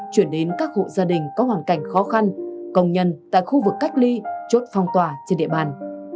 chuyển đến các hộ gia đình có hoàn cảnh khó khăn công nhân tại khu vực cách ly chốt phong tỏa trên địa bàn